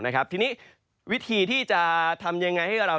ทีนี้วิธีที่จะทำอย่างไร